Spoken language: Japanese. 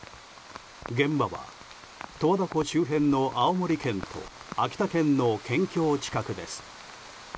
現場は十和田湖周辺の青森県と秋田県の県境近くです。